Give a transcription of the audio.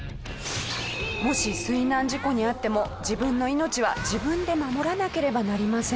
もし水難事故に遭っても自分の命は自分で守らなければなりません。